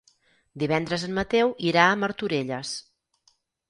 Divendres en Mateu irà a Martorelles.